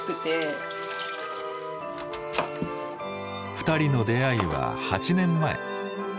二人の出会いは８年前。